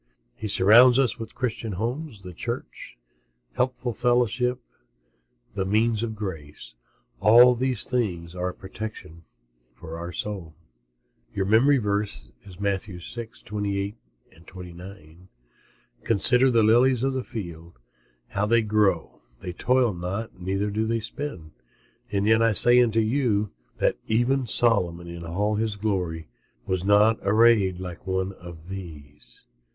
He surrounds us with Christian homes, the Church, helpful fellowship, the means of grace. All these things are a protection for the soul. MEMORY VERSE, Matthew 6: 28, 29 "Consider the lilies of the field, how they grow; they toil not, neither do they spin; and yet I say unto you, that even Solomon in all his glory was not arrayed like one of these."